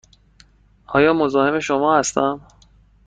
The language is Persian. آیا مزاحم شما هستم؟